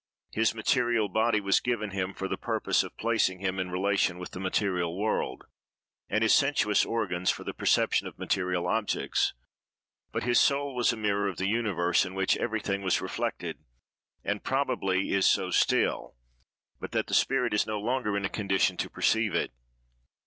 His material body was given him for the purpose of placing him in relation with the material world, and his sensuous organs for the perception of material objects, but his soul was a mirror of the universe, in which everything was reflected, and, probably, is so still, but that the spirit is no longer in a condition to perceive it.